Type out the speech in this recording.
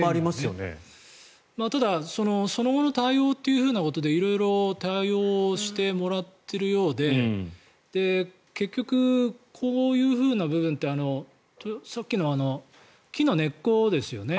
ただその後の対応ということで色々対応してもらっているようで結局、こういうふうな部分ってさっきの木の根っこですよね